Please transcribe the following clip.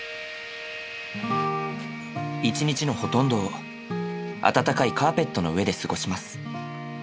１日のほとんどを温かいカーペットの上で過ごします。